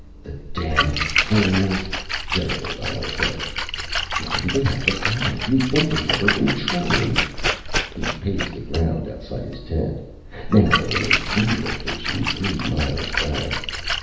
"The damned fools," General O'Donnell said. "Why did they have to panic? You'd think they'd never been trained." He paced the ground outside his tent, now in a new location three miles back.